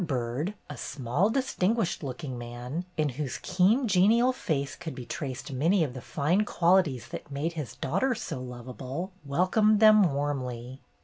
Byrd, a small, distinguished looking man, in whose keen genial face could be traced many of the fine qualities that made his daughter so lovable, welcomed them warmly.